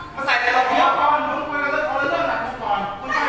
เมื่อเราพูดกันก็เริ่มกันกันก่อน